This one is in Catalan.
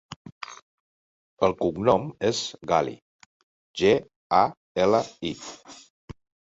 El cognom és Gali: ge, a, ela, i.